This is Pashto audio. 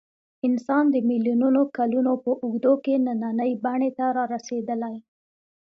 انسان د میلیونونو کلونو په اوږدو کې نننۍ بڼې ته رارسېدلی.